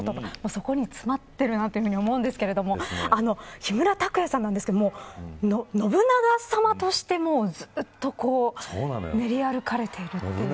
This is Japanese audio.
そこに詰まってるなと思うんですけど木村拓哉さんなんですが信長さまとしてもずっと練り歩かれているという。